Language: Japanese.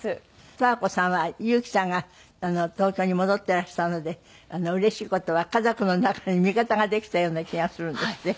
十和子さんは憂樹さんが東京に戻っていらしたのでうれしい事は家族の中に味方ができたような気がするんですって？